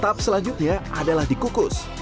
tahap selanjutnya adalah dikukus